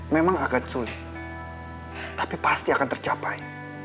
memang agak sulit tapi pasti akan tercapai